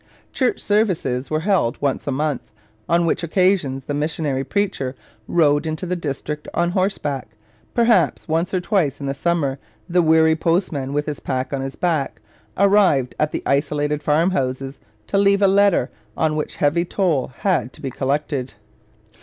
Church services were held once a month, on which occasions the missionary preacher rode into the district on horseback. Perhaps once or twice in the summer the weary postman, with his pack on his back, arrived at the isolated farmhouse to leave a letter, on which heavy toll had to be collected.